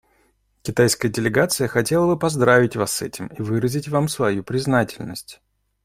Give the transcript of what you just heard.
Китайская делегация хотела бы поздравить Вас с этим и выразить Вам свою признательность.